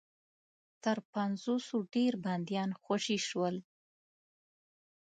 تر پنځوسو ډېر بنديان خوشي شول.